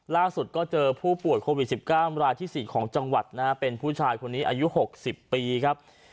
ล่าสุดก็เจอผู้ป่วยโควิด๑๙รายที่๔ของจังหวัดนะฮะเป็นผู้ชายคนนี้อายุ๖๐ปีครับ